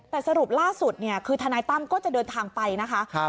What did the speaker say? แต่สรุปล่าสุดเนี่ยคือทนายตั้มก็จะเดินทางไปนะคะ